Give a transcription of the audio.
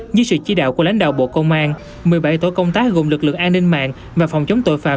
như sự chi đạo của lãnh đạo bộ công an một mươi bảy tổ công tác gồm lực lượng an ninh mạng và phòng chống tội phạm